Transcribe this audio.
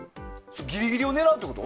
ギリギリを狙うってこと？